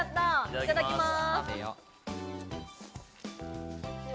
いただきます。